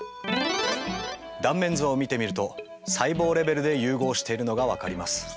断面図を見てみると細胞レベルで融合しているのが分かります。